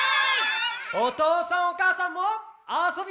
おとうさんおかあさんもあそびたい？